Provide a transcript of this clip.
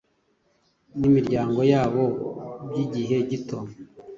n’imiryango yabo by’igihe gito,